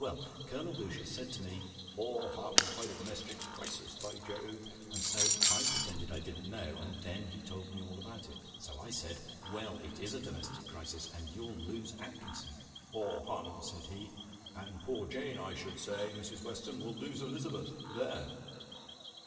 Well; Colonel Boucher said to me, 'Haw, hum, quite a domestic crisis, by Jove.' And so I pretended I didn't know, and he told me all about it. So I said 'Well, it is a domestic crisis, and you'll lose Atkinson.' 'Haw, hum,' said he, 'and poor Jane, I should say, Mrs Weston, will lose Elizabeth.' There!"